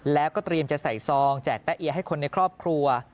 แล้วก็เตรียมจะใส่ซองแจกแตะเอียให้คนในครอบครัว